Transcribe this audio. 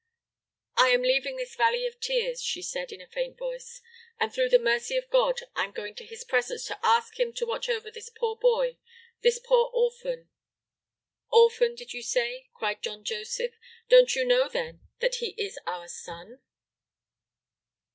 "I am leaving this valley of tears," she said, in a faint voice, "and through the mercy of God I am going to His presence to ask Him to watch over this poor boy, this poor orphan " "Orphan, did you say?" cried John Joseph. "Don't you know, then, that he is our son?"